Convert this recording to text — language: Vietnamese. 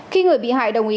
khi người bị hại đồng ý